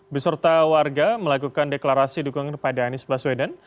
beserta warga melakukan deklarasi dukungan kepada anies baswedan